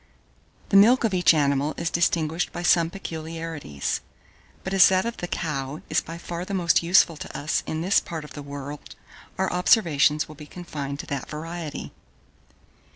The milk of each animal is distinguished by some peculiarities; but as that of the cow is by far the most useful to us in this part of the world, our observations will be confined to that variety.